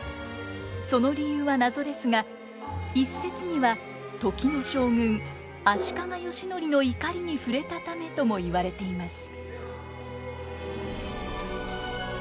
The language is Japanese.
その理由は謎ですが一説には時の将軍足利義教の怒りにふれたためとも言われています。